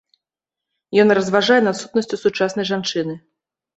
Ён разважае над сутнасцю сучаснай жанчыны.